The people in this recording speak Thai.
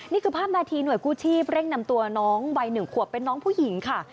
นี่คือภาพนาทีหน่วยกู้ชีพเร่งนำตัวน้องวัย๑ขวบเป็นน้องผู้หญิงค่ะ